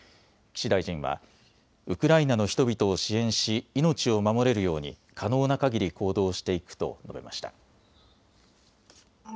岸大臣はウクライナの人々を支援し命を守れるように可能なかぎり行動していくと述べました。